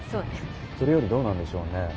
それよりどうなんでしょうね？